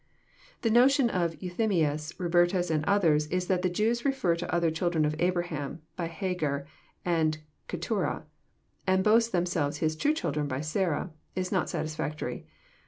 The notion of Euthymius, Bupertus, and others, that the Jews refer to other children of Abraham, by Hagar and Eetu rah, and boast themselves his true children by Sarah, is not satisfactory.